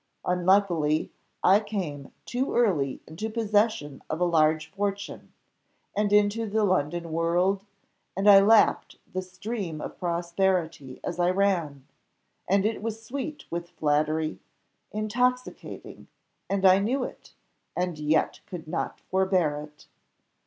"Unluckily, I came too early into possession of a large fortune, and into the London world, and I lapped the stream of prosperity as I ran, and it was sweet with flattery, intoxicating, and I knew it, and yet could not forbear it.